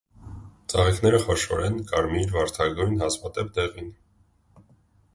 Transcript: Ծաղիկները խոշոր են, կարմիր, վարդագույն, հազվադեպ՝ դեղին։